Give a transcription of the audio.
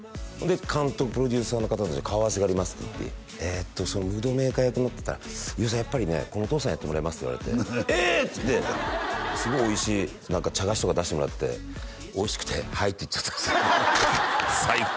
監督プロデューサーの方達と顔合わせがありますっていって「えっとムードメーカー役の」って言ったら「飯尾さんやっぱりねこのお父さんやってもらいます」って言われて「ええっ！？」っつってすごいおいしい何か茶菓子とか出してもらっておいしくて「はい」って言っちゃったんです